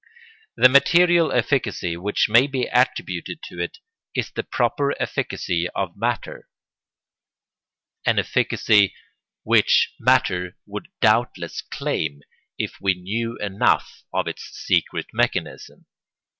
The material efficacy which may be attributed to it is the proper efficacy of matter—an efficacy which matter would doubtless claim if we knew enough of its secret mechanism.